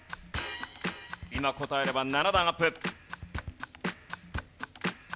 今答えれば７段アップ。